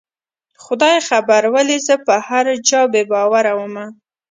خدای خبر ولې زه په هر چا بې باوره ومه